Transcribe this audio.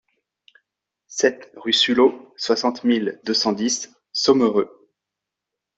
sept rue Suleau, soixante mille deux cent dix Sommereux